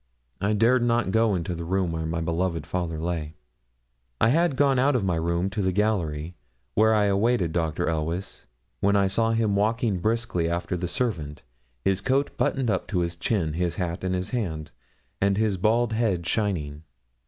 I dared not go into the room where my beloved father lay. I had gone out of my room to the gallery, where I awaited Dr. Elweys, when I saw him walking briskly after the servant, his coat buttoned up to his chin, his hat in his hand, and his bald head shining.